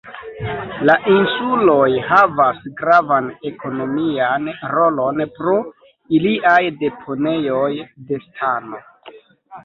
La insuloj havas gravan ekonomian rolon pro iliaj deponejoj de stano.